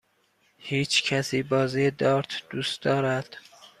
هیچکسی بازی دارت دوست دارد؟